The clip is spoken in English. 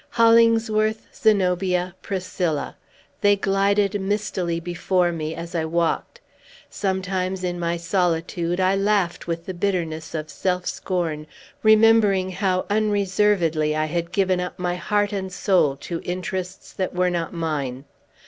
Hollingsworth, Zenobia, Priscilla! They glided mistily before me, as I walked. Sometimes, in my solitude, I laughed with the bitterness of self scorn, remembering how unreservedly I had given up my heart and soul to interests that were not mine.